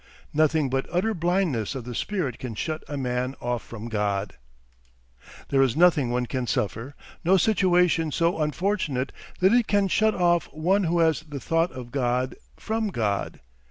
Nothing but utter blindness of the spirit can shut a man off from God. There is nothing one can suffer, no situation so unfortunate, that it can shut off one who has the thought of God, from God.